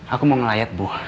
aku mau ngelayat bu